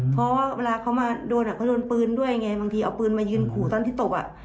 เพราะว่าเวลาเขามาโดนเขาโดนปืนด้วยไงบางทีเอาปืนมายืนขู่ตอนที่ตบอ่ะ